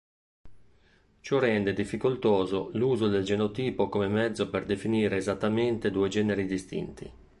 Ciò rende difficoltoso l'uso del genotipo come mezzo per definire esattamente due generi distinti.